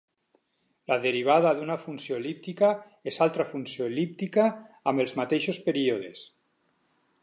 La derivada d'una funció el·líptica és altra funció el·líptica amb els mateixos períodes.